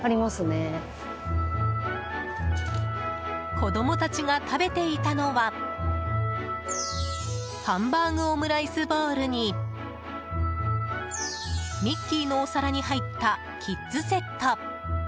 子供たちが食べていたのはハンバーグ・オムライスボウルにミッキーのお皿に入ったキッズセット。